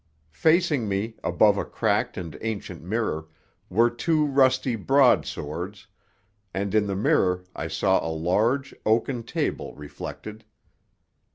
Facing me, above a cracked and ancient mirror, were two rusty broad swords, and in the mirror I saw a large, oaken table reflected.